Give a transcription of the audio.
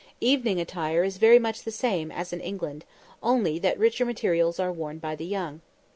Evening attire is very much the same as in England, only that richer materials are worn by the young.